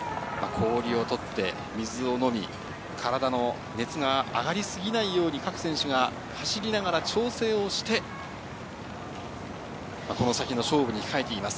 氷を取って水を飲み、体の熱が上がりすぎないように各選手が走りながら調整をして、この先の勝負に控えています。